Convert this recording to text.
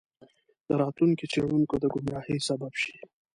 د راتلونکو څیړونکو د ګمراهۍ سبب شي.